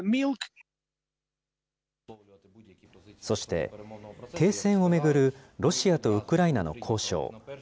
そして、停戦を巡るロシアとウクライナの交渉。